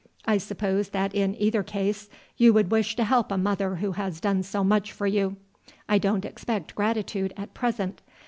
I suppose that in either case you would wish to help a mother who has done so much for you. I don't expect gratitude at present.